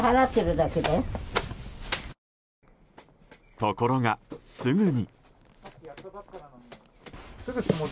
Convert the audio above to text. ところが、すぐに。